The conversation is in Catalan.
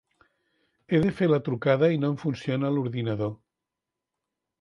He de fer la trucada i no em funciona l'ordinador.